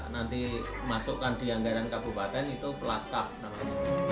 nanti masukkan di anggaran kabupaten itu pelacak namanya